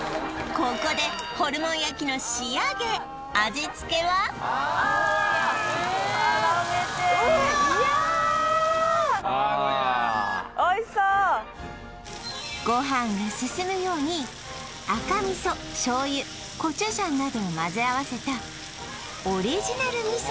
ここでホルモン焼きのあうまいなおいしそうご飯がすすむように赤味噌醤油コチュジャンなどを混ぜ合わせたオリジナル味噌